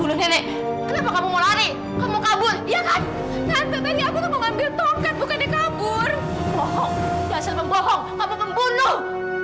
bohong diasa pembohong kamu pembunuh